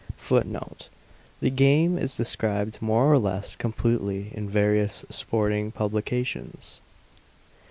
[Footnote: The game is described more or less completely in various sporting publications.